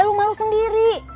lo malu sendiri